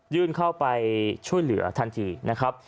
เข้าไปช่วยเหลือทันทีนะครับ